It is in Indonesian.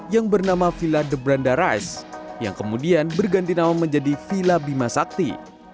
yang bernama villa de branda reis yang kemudian berganti nama menjadi villa bima sakti